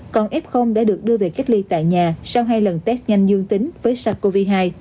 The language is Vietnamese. còn f đã được đưa về cách ly tại nhà sau hai lần test nhanh dương tính với sars cov hai